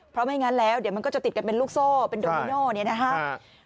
เพราะไม่งั้นแล้วเดี๋ยวมันก็จะติดกันเป็นลูกโซ่เป็นโดมิโน